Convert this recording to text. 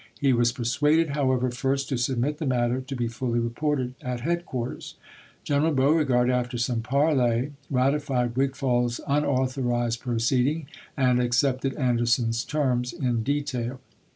He was per suaded, however, first to submit the matter to be fully reported at headquarters. General Beaure gard, after some parley, ratified Wigfall's unau thorized proceeding and accepted Anderson's terms THE FALL OF SUMTER 61 in detail.